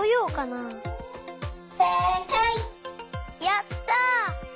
やった！